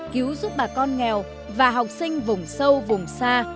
cứu giúp bà con nghèo và học sinh vùng sâu vùng xa